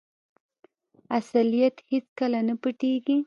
اصلیت هیڅکله نه پټیږي.